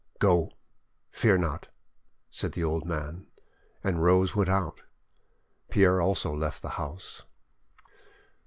"Go, fear not," said the old man, and Rose went out. Pierre also left the house.